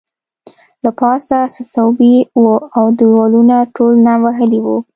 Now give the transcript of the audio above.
له پاسه څڅوبی وو او دیوالونه ټول نم وهلي وو